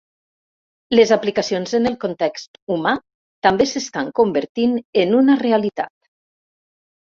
Les aplicacions en el context humà també s’estan convertint en una realitat.